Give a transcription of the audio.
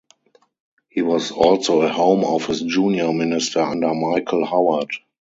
He was also a Home Office junior minister under Michael Howard.